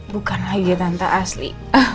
bukan lagi tante asli